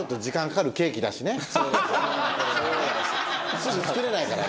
すぐ作れないからね。